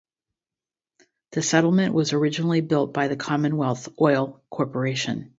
The settlement was originally built by the Commonwealth Oil Corporation.